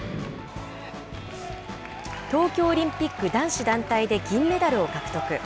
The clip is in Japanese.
東京オリンピック男子団体で銀メダルを獲得。